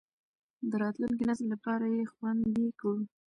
د راتلونکي نسل لپاره یې خوندي کړو.